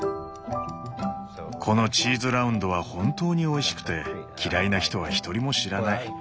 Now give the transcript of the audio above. このチーズラウンドは本当においしくて嫌いな人は一人も知らない。